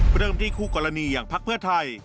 เริ่มที่คู่กรณีอย่างพักเพื่อไทย